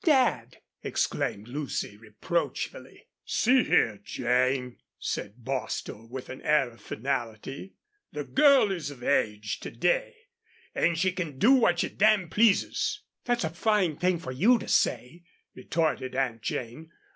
"Dad!" exclaimed Lucy, reproachfully. "See here, Jane," said Bostil, with an air of finality, "the girl is of age to day an' she can do what she damn pleases!" "That's a fine thing for you to say," retorted Aunt Jane.